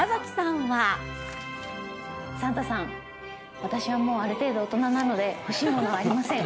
サンタさん、私はもうある程度大人なので、欲しいものはありません。